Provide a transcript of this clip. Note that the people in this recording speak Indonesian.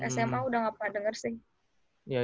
sma udah gak denger sih